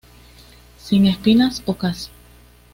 Sin espinas o casi.